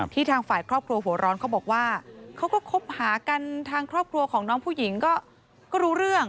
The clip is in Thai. ทางฝ่ายครอบครัวหัวร้อนเขาบอกว่าเขาก็คบหากันทางครอบครัวของน้องผู้หญิงก็รู้เรื่อง